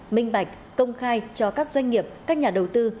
minh bạch công khai cho các doanh nghiệp các nhà đầu tư